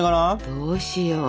どうしよう。